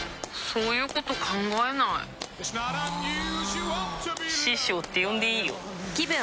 そういうこと考えないあ師匠って呼んでいいよぷ